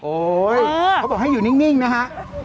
โอ้โฮเขาบอกให้อยู่นิ่งนะคะ